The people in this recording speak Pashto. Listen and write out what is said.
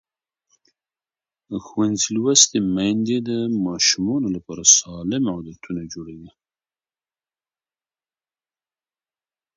ښوونځې لوستې میندې د ماشومانو لپاره سالم عادتونه جوړوي.